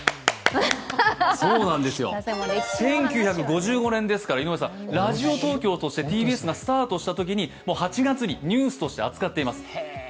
そうなんですよ、１９５５年ですから、ラジオ東京としてＴＢＳがスタートしたときに８月にニュースとして扱っています。